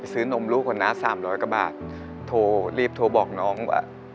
ไปซื้อนมลูกคนหน้าสามร้อยกว่าบาทโทรรีบโทรบอกน้องว่า